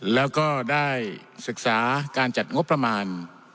แล้วก็ได้ศึกษาการจัดงบประมาณ